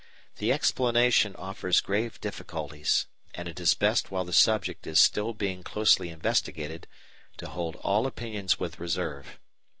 The explanation offers grave difficulties, and it is best while the subject is still being closely investigated, to hold all opinions with reserve.